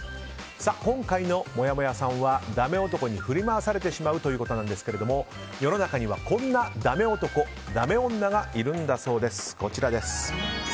今回のもやもやさんはダメ男に振り回されてしまうということですが世の中にはこんなダメ男、ダメ女がいるんだそうです。